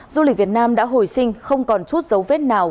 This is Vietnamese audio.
du lịch việt nam đã hồi sinh không còn chút dấu vết nào